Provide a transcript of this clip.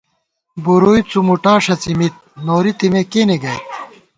بُورُوئی څُمُوٹا ݭَڅی مِت ، نوری تېمے کېنے گئیت